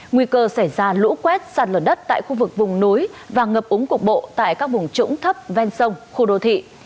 nguy cơ xảy ra lũ quét sạt lở đất tại khu vực vùng núi và ngập úng cục bộ tại các vùng trũng thấp ven sông khu đô thị